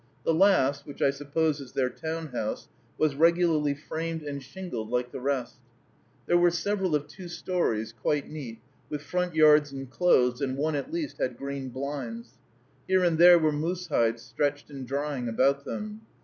The last, which I suppose is their town house, was regularly framed and shingled like the rest. There were several of two stories, quite neat, with front yards inclosed, and one at least had green blinds. Here and there were moose hides stretched and drying about them.